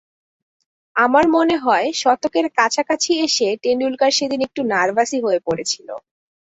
আমার মনে হয়, শতকের কাছাকাছি এসে টেন্ডুলকার সেদিন একটু নার্ভাসই হয়ে পড়েছিল।